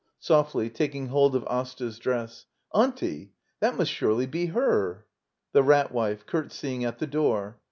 [Softly, taking hold of Asta's dress.] Auntie! That must surely be her! The Rat Wife. [Curtseying at the door.